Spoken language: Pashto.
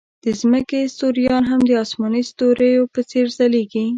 د ځمکې ستوریان هم د آسماني ستوریو په څېر ځلېږي.